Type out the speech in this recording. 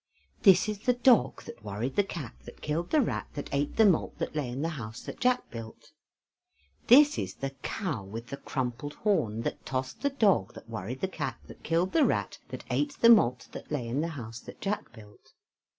This is the dog, That worried the cat, That killed the rat, That ate the malt That lay in the house that Jack built. This is the cow with the crumpled horn That tossed the dog, That worried the cat, That killed the rat, That ate the malt That lay in the house that Jack built.